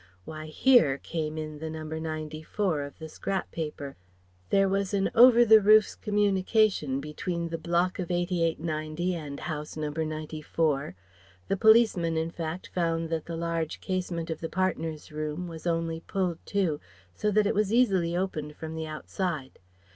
Why, here came in the "No. 94" of the scrap of paper. There was an over the roofs communication between the block of 88 90 and House No. 94. The policemen in fact found that the large casement of the partners' room was only pulled to, so that it was easily opened from the outside.